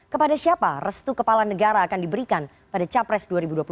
kepada siapa restu kepala negara akan diberikan pada capres dua ribu dua puluh empat